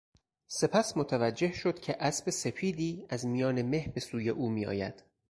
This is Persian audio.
سپس متوجه شد که اسب سپیدی از میان مه به سوی او میآید.